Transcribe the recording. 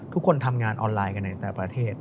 ทุกคนทำงานออนไลน์กันในแต่ประเทศ